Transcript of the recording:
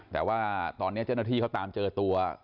แต่ว่าตอนนี้เจ้าหน้าที่เขาตามเจอตัว